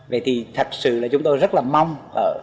vậy thì thật sự là chúng tôi rất là mong